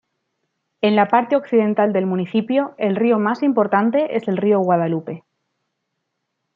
En la parte occidental del municipio, el río más importante es el río Guadalupe.